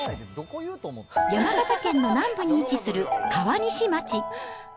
山形県の南部に位置する川西町。